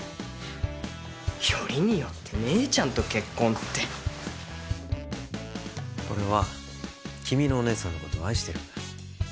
よりによって姉ちゃんと結婚って俺は君のお姉さんのことを愛してるんだ